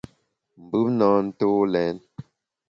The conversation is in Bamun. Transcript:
Mbùm na ntô lèn.